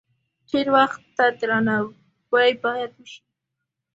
تیر وخت ته درناوی باید وشي.